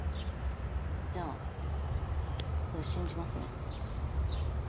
じゃあそれ信じますね。